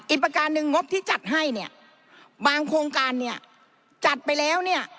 อิปการณ์หนึ่งงบที่จัดให้บางโครงการจัดไปแล้ว